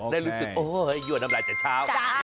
ได้รู้สึกโอ๊ยยั่วน้ำลายแต่เช้า